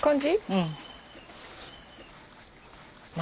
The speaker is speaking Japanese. うん。